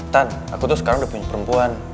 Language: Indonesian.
tan aku tuh sekarang udah punya perempuan